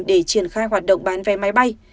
để triển khai hoạt động bán vé máy bay